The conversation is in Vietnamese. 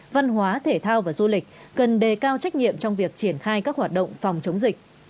văn hóa thể thao và du lịch cần đề cao trách nhiệm trong việc triển khai các hoạt động